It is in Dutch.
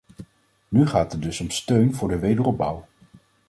Nu gaat het dus om steun voor de wederopbouw.